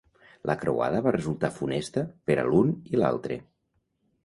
La croada va resultar funesta per a l'un i l'altre.